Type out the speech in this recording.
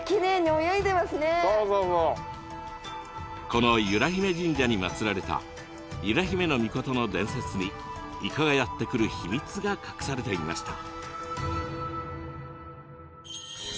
この由良比女神社に祀られた由良比女命の伝説にイカがやって来る秘密が隠されていました。